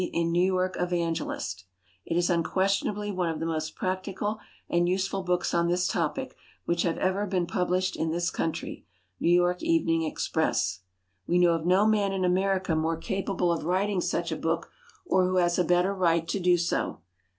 in New York Evangelist. It is unquestionably one of the most practical and useful books on this topic which have ever been published in this country. N. Y. Evening Express. We know of no man in America more capable of writing such a book, or who has a better right to do so.